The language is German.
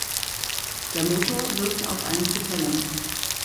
Der Motor wirkte auf einen Propeller.